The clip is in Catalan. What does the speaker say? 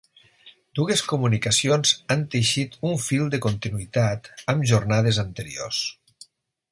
Dues comunicacions han teixit un fil de continuïtat amb jornades anteriors.